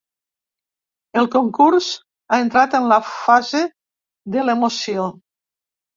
El concurs ha entrat en la fase de l’emoció.